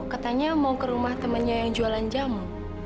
katanya mau ke rumah temennya yang jualan jamu